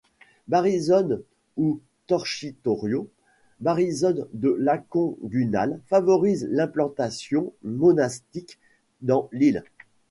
Barisone ou Torchitorio Barisone de Lacon-Gunale, favorise l'implantation monastique dans l'île.